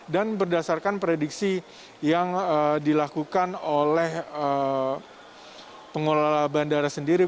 dan berdasarkan prediksi yang dilakukan oleh pengelola bandara sendiri